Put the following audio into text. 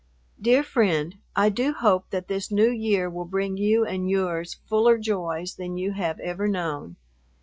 Dear friend, I do hope that this New Year will bring you and yours fuller joys than you have ever known.